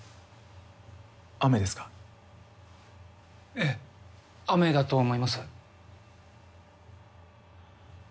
ええ雨だと思います。